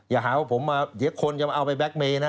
อย่าหาว่าผมมาเดี๋ยวคนจะมาเอาไปแล็กเมย์นะ